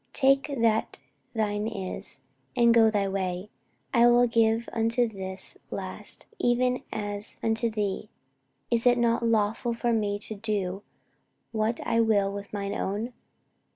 Take that thine is, and go thy way: I will give unto this last, even as unto thee. Is it not lawful for me to do what I will with mine own?